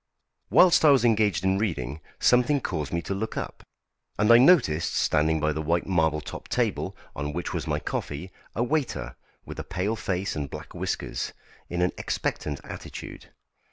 Whilst I was engaged in reading, something caused me to look up, and I noticed standing by the white marble topped table, on which was my coffee, a waiter, with a pale face and black whiskers, in an expectant attitude.